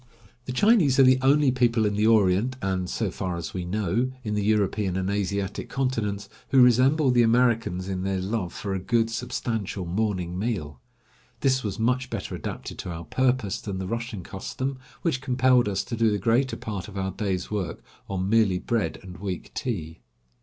The Chinese are the only people in the Orient, and, so far as we know, in the European and Asiatic continents, who resemble the Americans in their love for a good, substantial morning meal. This was much better adapted to our purpose than the Russian 154 Across Asia on a Bicycle A MAID OF WESTERN CHINA. custom, which compelled us to do the greater part of our day's work on merely bread and weak tea.